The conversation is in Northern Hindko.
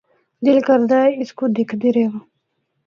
دل کردا اے اس کو دِکھدے رہواں۔